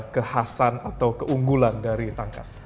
kehasan atau keunggulan dari tangkas